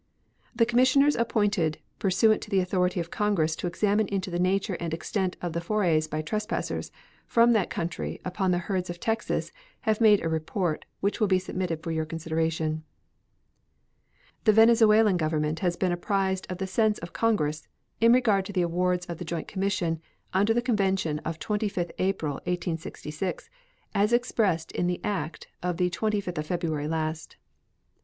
The commissioners appointed pursuant to the authority of Congress to examine into the nature and extent of the forays by trespassers from that country upon the herds of Texas have made a report, which will be submitted for your consideration. The Venezuelan Government has been apprised of the sense of Congress in regard to the awards of the joint commission under the convention of 25th April, 1866, as expressed in the act of the 25th of February last.